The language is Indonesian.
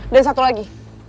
dan satu lagi